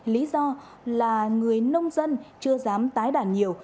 lý do là người nông dân chưa dám tái đàn nhiều